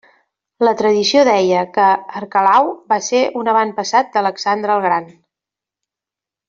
La tradició deia que Arquelau va ser un avantpassat d'Alexandre el Gran.